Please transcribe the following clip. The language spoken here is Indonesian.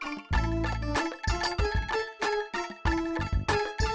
brian dan natty mengeluarkannya seperti phenomenalsey tujuh ratus tujuh puluh enam